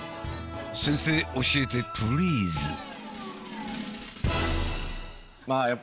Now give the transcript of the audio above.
先生教えてプリーズ。